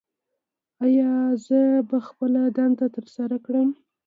ایا زه به خپله دنده ترسره کړم؟